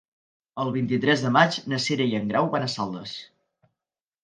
El vint-i-tres de maig na Cira i en Grau van a Saldes.